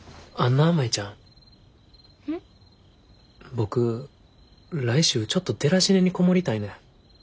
僕来週ちょっとデラシネに籠もりたいねん。